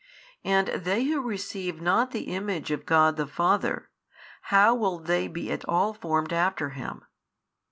and they who receive not the Image of God the Father, how will they be at all formed after Him?